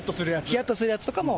ひやっとするやつとかも。